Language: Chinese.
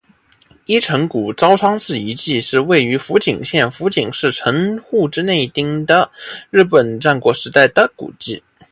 一乘谷朝仓氏遗迹是位于福井县福井市城户之内町的日本战国时代的古迹。